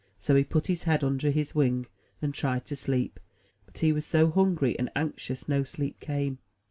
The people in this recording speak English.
So he put his head under his wing, and tried to sleep; but he was so hungry and anxious, no sleep came.